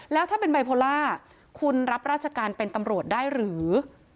แล้วถ้าเป็นไบโพล่าคุณรับราชการเป็นตำรวจได้หรือ